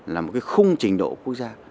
là một cái khung trình độ quốc gia